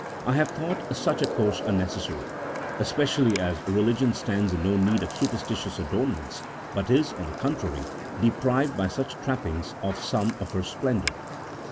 I have thought such a course unnecessary, especially as religion stands in no need of superstitious adornments, but is, on the contrary, deprived by such trappings of some of her splendour.